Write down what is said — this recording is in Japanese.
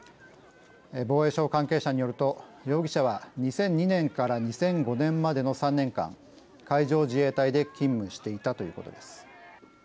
防衛省関係者によると、容疑者は２００２年から２００５年までの３年間、海上自衛隊で勤務していたということです。